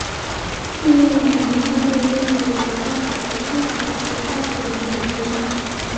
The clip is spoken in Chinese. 利用广义相对论几何方式的基础即在此原理之上。